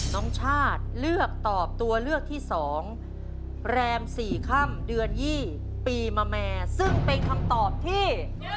น้องชาติเลือกตอบตัวเลือกที่๒แรม๔ค่ำเดือน๒ปีมาแม่ซึ่งเป็นคำตอบที่